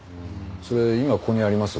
それ今ここにあります？